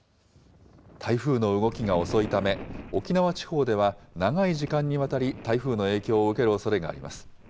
台風の動きが遅いため、沖縄地方では長い時間にわたり台風の影響を受けるおそれがあります。